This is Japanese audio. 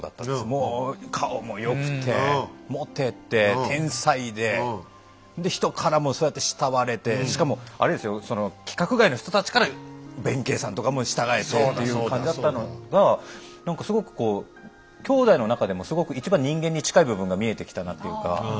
もう顔も良くてモテて天才でで人からもそうやって慕われてしかもあれですよその規格外の人たちから弁慶さんとかも従えてという感じだったのが何かすごくこう兄弟の中でもすごく一番人間に近い部分が見えてきたなっていうか